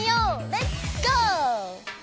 レッツゴー！